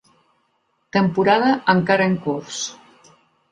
Temporada encara en curs.